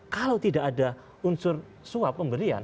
kalau tidak ada unsur suap pemberian